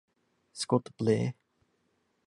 Scott Blair.